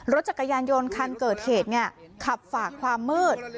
รถจักรยานยนต์คันเกิดเหตุขับฝากความมืด